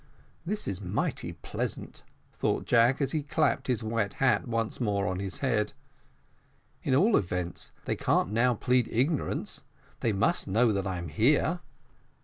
"This is mighty pleasant," thought Jack, as he clapped his wet hat once more on his head: "at all events, they can't now plead ignorance; they must know that I'm here."